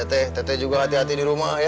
iya tete juga hati hati di rumah ya